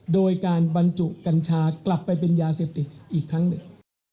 โดยการบรรจุกัญชากลับไปเป็นยาเสพติดอีกครั้งหนึ่ง